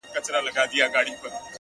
نه مي قهوې بې خوبي يو وړه نه ترخو شرابو؛